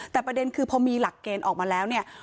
แต่ประเด็นคือพอมีหลักเกณฑ์ออกมาแล้วเนี่ย